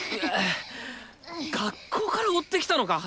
学校から追ってきたのか！？